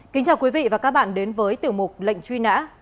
kính chào quý vị và các bạn đến với tiểu mục lệnh truy nã